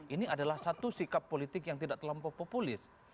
ini adalah satu sikap politik yang tidak terlampau populis